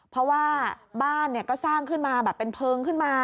เพราะว่าบ้านก็สร้างขึ้นมาแบบเป็นเพลิงขึ้นมา